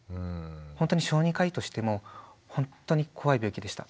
本当に小児科医としても本当に怖い病気でした。